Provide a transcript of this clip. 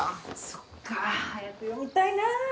そっか早く読みたいな。